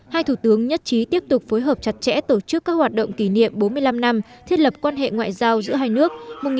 hai thủ tướng nhất trí tiếp tục phối hợp chặt chẽ tổ chức các hoạt động kỷ niệm bốn mươi năm năm thiết lập quan hệ ngoại giao giữa hai nước một nghìn chín trăm bảy mươi một hai nghìn một mươi tám